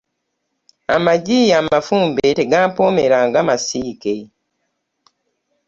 Amagi amafumbe tegampoomera nga masiike.